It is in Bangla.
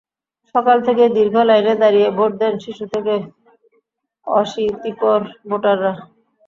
সকাল থেকেই দীর্ঘ লাইনে দাঁড়িয়ে ভোট দেন শিশু থেকে অশীতিপর ভোটাররা।